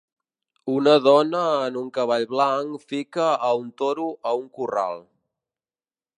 Una dona en un cavall blanc fica a un toro a un corral.